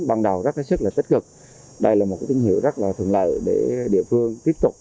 bằng đầu rất là tích cực đây là một tín hiệu rất là thường lợi để địa phương tiếp tục